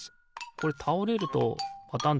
これたおれるとパタン